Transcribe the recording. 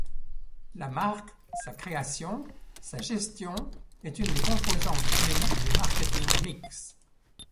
La marque, sa création, sa gestion est une des composantes clés du marketing-mix.